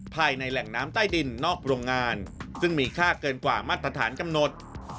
ภายในแหล่งน้ำใต้ดินนอกโรงงานซึ่งมีค่าเกินกว่ามาตรฐานกำหนด